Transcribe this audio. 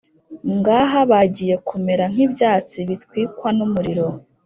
ngaha bagiye kumera nk’ibyatsi bitwikwa n’umuriro,